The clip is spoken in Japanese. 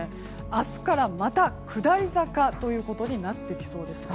明日からまた下り坂ということになってきそうです。